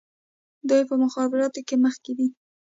دوی په مخابراتو کې مخکې دي.